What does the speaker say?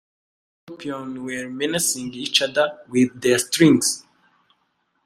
Two scorpions were menacing each other with their stings.